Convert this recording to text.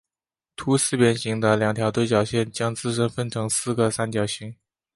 凸四边形的两条对角线将自身分成四个三角形。